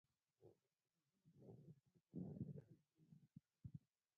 د ځينې خلکو ژوند کې هر څه پېښېږي.